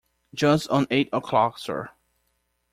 Just on eight o'clock, sir.